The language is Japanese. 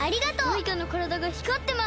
マイカのからだがひかってます！